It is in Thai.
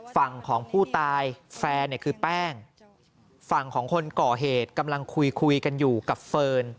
ฝั่งของผู้ตายแฟนเนี่ยคือแป้งฝั่งของคนก่อเหตุกำลังคุยคุยกันอยู่กับเฟิร์น